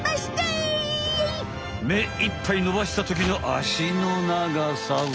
めいっぱいのばしたときのあしの長さは。